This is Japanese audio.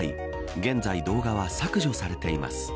現在、動画は削除されています。